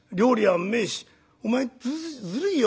お前ずるいよ